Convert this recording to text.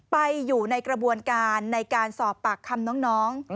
ไปอยู่ในกระบวนการในการสอบปากคำน้อง